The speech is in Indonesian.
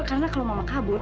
karena kalau mama kabur